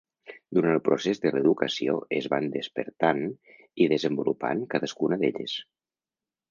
Durant el procés de l'educació es van despertant i desenvolupant cadascuna d'elles.